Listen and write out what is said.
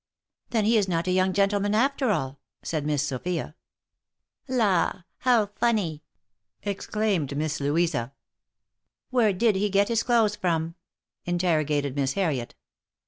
" Then he is not a young gentleman after all ?" said Miss Sophia. " La ; how funny !" exclaimed Miss Louisa, u where did he get his clothes from?" interrogated Miss Harriet.